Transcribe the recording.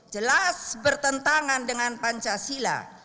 jelas bertentangan dengan pancasila